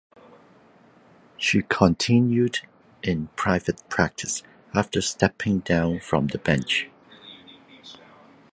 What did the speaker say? She continued in private practice after stepping down from the bench.